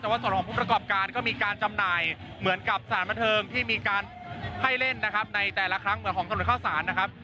แต่ว่าส่วนของผู้ประกอบการก็มีการจำหน่ายเหมือนกับสถานบันเทิงที่มีการให้เล่นนะครับในแต่ละครั้งเหมือนของถนนข้าวสารนะครับ